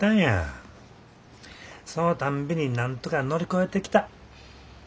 そのたんびになんとか乗り越えてきた。